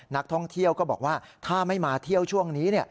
นักท่องเที่ยวก็บอกว่าถ้าไม่มาเที่ยวช่วงนี้